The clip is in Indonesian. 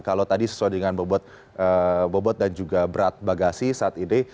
kalau tadi sesuai dengan bobot dan juga berat bagasi saat ini